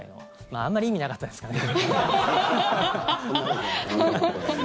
あまり意味なかったですかね。